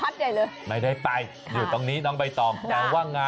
ชุดเหลืองข้างหลัง